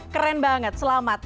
keren banget selamat